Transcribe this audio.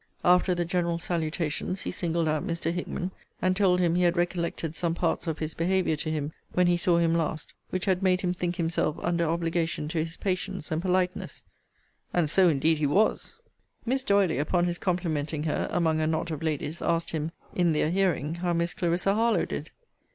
After the general salutations he singled out Mr. Hickman, and told him he had recollected some parts of his behaviour to him, when he saw him last, which had made him think himself under obligation to his patience and politeness. And so, indeed, he was. Miss D'Oily, upon his complimenting her, among a knot of ladies, asked him, in their hearing, how Miss Clarissa Harlowe did?